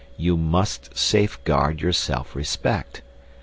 You must safeguard your self respect.